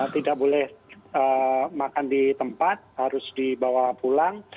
tidak boleh makan di tempat harus dibawa pulang